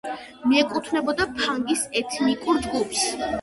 მიეკუთვნებოდა ფანგის ეთნიკურ ჯგუფს.